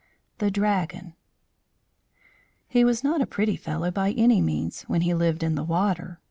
THE DRAGON He was not a pretty fellow by any means when he lived in the water.